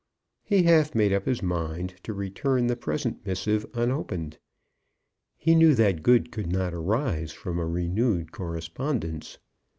He half made up his mind to return the present missive unopened. He knew that good could not arise from a renewed correspondence.